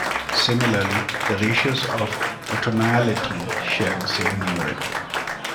Similarly, the ratios of a utonality share the same numerator.